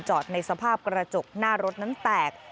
ในสภาพกระจกหน้ารถนั้นแตก